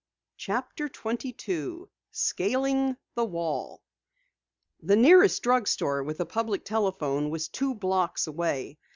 CHAPTER 22 SCALING THE WALL The nearest drugstore with a public telephone was two blocks away.